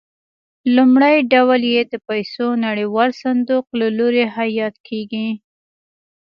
لومړی ډول یې د پیسو نړیوال صندوق له لوري حیات کېږي.